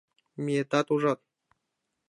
— Миетат, ужат.